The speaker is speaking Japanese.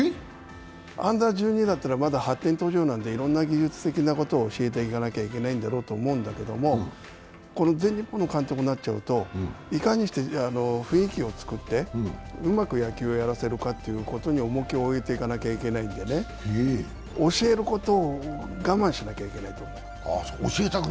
Ｕ−１２だったら発展途上なのでいろんな技術的なことを教えていかなければいけないんだろうけれども全日本の監督になっちゃうといかにして雰囲気をつくってうまく野球をやらせるかということに重きを置いていかなきゃいけないので、教えることを我慢しなきゃいけない。